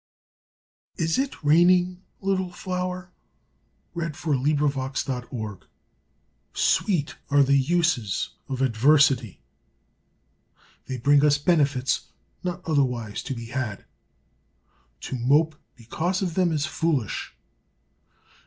IS IT RAINING, LITTLE FLOWER? "Sweet are the uses of adversity." They bring us benefits not otherwise to be had. To mope because of them is foolish.